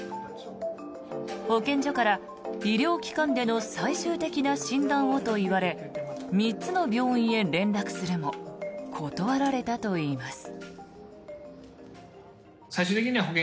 保健所から医療機関での最終的な診断をと言われ３つの病院へ連絡するも断られたといいます。